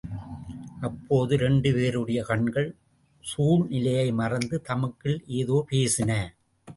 அப்போது இரண்டு பேருடைய கண்கள் சூழ்நிலையை மறந்து தமக்குள் ஏதோ பேசின.